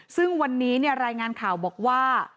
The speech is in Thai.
ซึ่งวันนี้รายงานข่าวบอกว่า